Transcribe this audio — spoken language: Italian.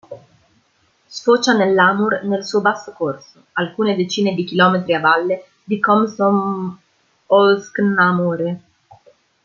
Sfocia nell'Amur nel suo basso corso, alcune decine di chilometri a valle di "Komsomol'sk-na-Amure".